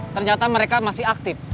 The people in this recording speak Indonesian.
ternyata mereka masih aktif